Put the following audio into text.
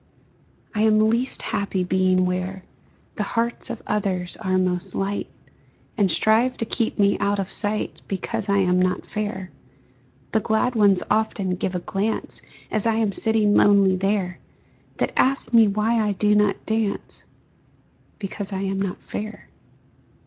I am least happy being where The hearts of others are most light, And strive to keep me out of sight, Because I am not fair; The glad ones often give a glance, As I am sitting lonely there, That asks me why I do not dance Because I am not fair.